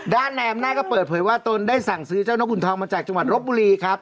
ด้านในอำนาจก็เปิดเผยว่าตนได้สั่งซื้อเจ้านกุนทองมาจากจังหวัดรบบุรีครับ